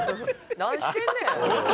なんしてんねん。